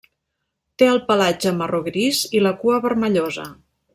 Té el pelatge marró gris i la cua vermellosa.